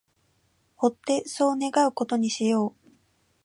追ってそう願う事にしよう